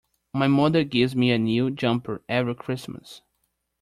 My mother gives me a new jumper every Christmas